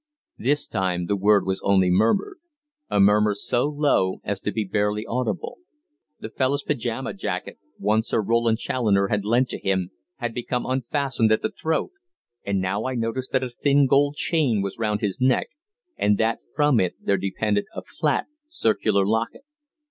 This time the word was only murmured, a murmur so low as to be barely audible. The fellow's pyjama jacket, one Sir Roland Challoner had lent to him, had become unfastened at the throat, and now I noticed that a thin gold chain was round his neck, and that from it there depended a flat, circular locket.